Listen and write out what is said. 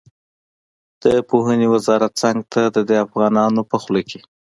د پوهنې وزارت څنګ ته د ده افغانان په خوله کې.